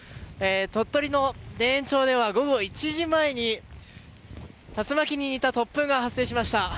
鳥取の田園町では午後１時前に竜巻に似た突風が発生しました。